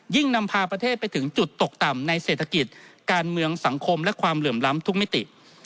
นำพาประเทศไปถึงจุดตกต่ำในเศรษฐกิจการเมืองสังคมและความเหลื่อมล้ำทุกมิติ